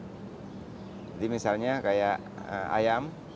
jadi misalnya kayak ayam